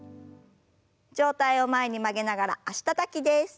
上体を前に曲げながら脚たたきです。